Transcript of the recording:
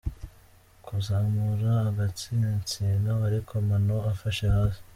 Kuzamura agatsinsino ariko amano afashe hasi:.